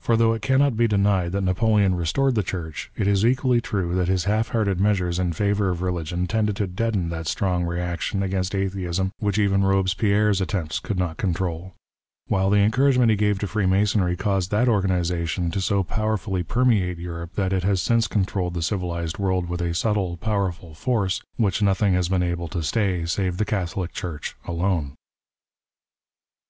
For though it cannot be denied that Napoleon restored the Church, it is equally true that his half hearted measures in favour of religion tended to deaden that strong reaction against Atheism which even Eobespierre's attempts could not control ; while the encouragement he gave to Freemasonry caused that organization to so powerfully permeate Europe that it has since controlled the civilized world with a subtle, powerful force which nothing has been able to stay save the Catholic Church alone.